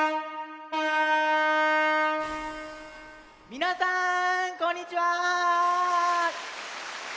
みなさんこんにちは！